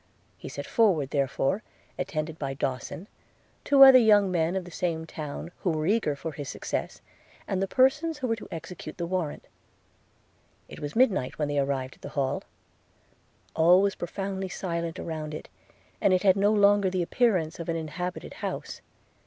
He set forward, therefore, attended by Dawson, two other young men of the same town, who were eager for his success, and the persons who were to execute the warrant. It was midnight when they arrived at the Hall – All was profoundly silent around it, and it had no longer the appearance of an inhabited house.